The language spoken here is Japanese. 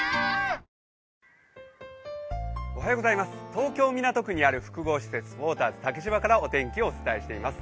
東京・港区にある複合施設、ウォーターズ竹芝からお天気をお伝えしています。